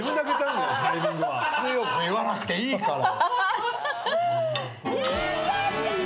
強く言わなくていいから。